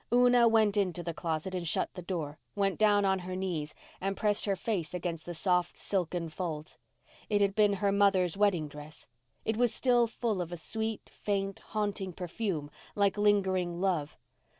Una went into the closet and shut the door, went down on her knees and pressed her face against the soft silken folds. It had been her mother's wedding dress. It was still full of a sweet, faint, haunting perfume, like lingering love.